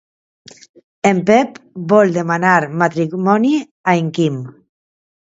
En Pep vol demanar matrimoni a en Quim.